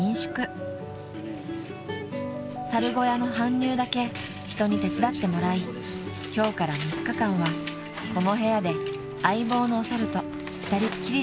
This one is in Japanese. ［猿小屋の搬入だけ人に手伝ってもらい今日から３日間はこの部屋で相棒のお猿と二人っきりです］